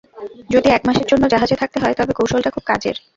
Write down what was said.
যদি এক মাসের জন্য জাহাজে থাকতে হয় তবে কৌশলটা খুব কাজের।